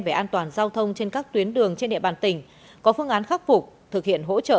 về an toàn giao thông trên các tuyến đường trên địa bàn tỉnh